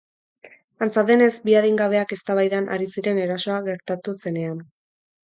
Antza denez, bi adingabeak eztabaidan ari ziren erasoa gertatu zenean.